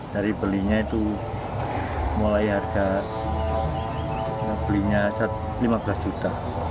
dari belinya itu mulai harga belinya rp lima belas